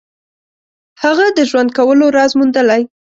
هغه د ژوند کولو راز موندلی.